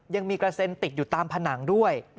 ยังมีกระเซ็นติดอยู่ตามผนังด้วย